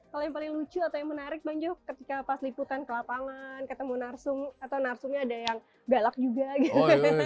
kalau yang paling lucu atau yang menarik bang jo ketika pas lipukan ke lapangan ketemu narsung